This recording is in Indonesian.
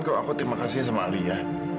kalau aku terima kasih sama alia